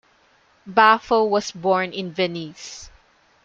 Baffo was born in Venice.